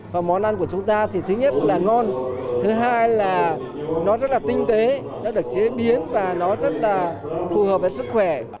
và món ăn của chúng ta thì thứ nhất là ngon thứ hai là nó rất là tinh tế nó được chế biến và nó rất là phù hợp với sức khỏe